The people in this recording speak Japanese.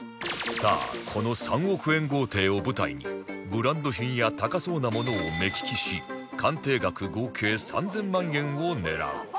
さあこの３億円豪邸を舞台にブランド品や高そうなものを目利きし鑑定額合計３０００万円を狙う